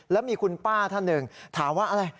แล้วมีคุณป้าท่านหนึ่งถามว่าอะไร